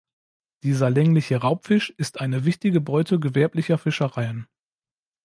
Dieser längliche Raubfisch ist eine wichtige Beute gewerblicher Fischereien.